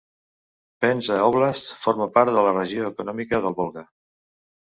Penza Oblast forma part de la regió econòmica del Volga.